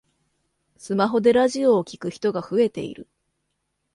スマホでラジオを聞く人が増えている